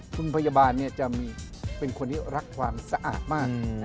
คุณพยาบาลจะเป็นคนที่รักความสะอาดมาก